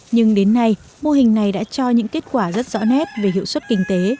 nhưng đến nay mô hình này đã cho những kết quả rất rõ nét về hiệu suất kinh tế